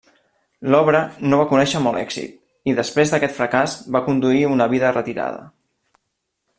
L'obra no va conèixer molt èxit, i després d'aquest fracàs va conduir una vida retirada.